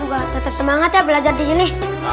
semoga teman teman juga tetap semangat ya belajar di sini